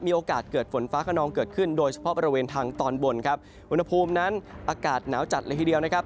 มีโอกาสเกิดฝนฟ้าขนองเกิดขึ้นโดยเฉพาะบริเวณทางตอนบนครับอุณหภูมินั้นอากาศหนาวจัดเลยทีเดียวนะครับ